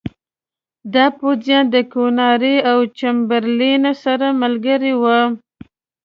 دا پوځیان د کیوناري او چمبرلین سره ملګري وو.